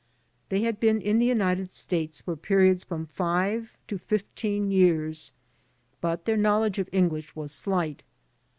They had been in the United States for periods of from five to fifteen years, but their knowledge of English was slight.